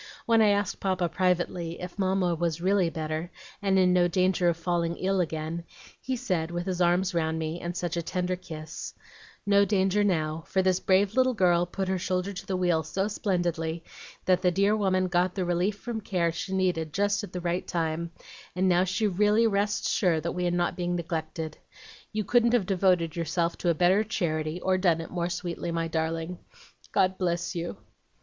When I asked Papa privately, if Mamma was REALLY better and in no danger of falling ill again, he said, with his arms round me, and such a tender kiss, "'No danger now, for this brave little girl put her shoulder to the wheel so splendidly, that the dear woman got the relief from care she needed just at the right time, and now she really rests sure that we are not neglected. You couldn't have devoted yourself to a better charity, or done it more sweetly, my darling. God bless you!'"